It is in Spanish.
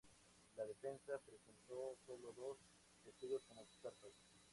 La defensa presentó sólo dos testigos como expertos.